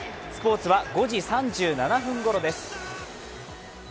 スポーツは５時３７分ごろです。